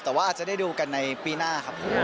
แต่ว่าอาจจะได้ดูกันในปีหน้าครับ